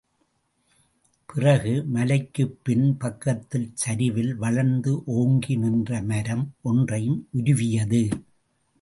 பிறகு மலைக்குப் பின் பக்கத்தின் சரிவில் வளர்ந்து ஓங்கி நின்ற மரம் ஒன்றையும் உருவியது.